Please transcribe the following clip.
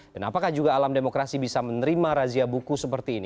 dan apakah juga alam demokrasi bisa menerima razia buku seperti ini